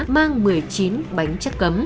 mang một mươi chín bánh chất cấm